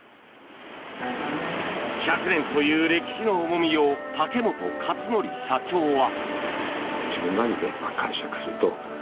１００年という歴史の重みを竹本勝紀社長は。